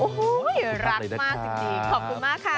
โอ้โหรักมากจริงขอบคุณมากค่ะ